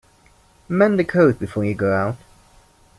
Mend the coat before you go out.